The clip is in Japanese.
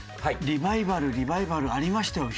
リバイバルリバイバルありましたよ